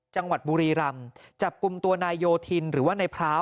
จังหวัดบุรีรำจับกลุ่มตัวนายโยธินหรือว่านายพร้าว